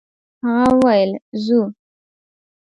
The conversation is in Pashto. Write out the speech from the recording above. هغه وويل: «ځو!»